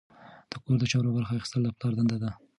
د کور د چارو برخه اخیستل د پلار دنده ده.